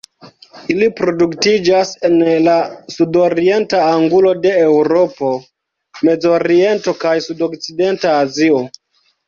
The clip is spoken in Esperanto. Ili reproduktiĝas en la sudorienta angulo de Eŭropo, Mezoriento kaj sudokcidenta Azio.